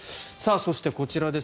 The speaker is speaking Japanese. そして、こちらです。